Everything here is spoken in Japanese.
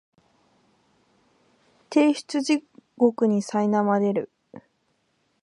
提出地獄にさいなまれる